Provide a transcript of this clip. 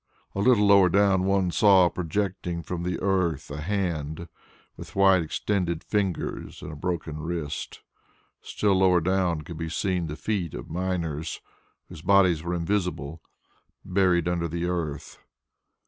A little lower down one saw projecting from the earth a hand with wide extended fingers and a broken wrist. Still lower down could be seen the feet of miners whose bodies were invisible, buried under the earth.